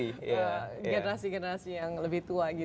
daripada generasi generasi yang lebih tua gitu